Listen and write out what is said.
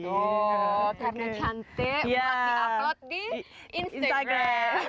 oh karena cantik buat di upload di instagram